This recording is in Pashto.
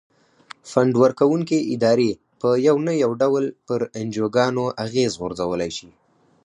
فنډ ورکوونکې ادارې په یو نه یو ډول پر انجوګانو اغیز غورځولای شي.